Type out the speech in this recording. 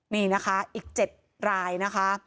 นี่นะคะอีก๗รายนะคะ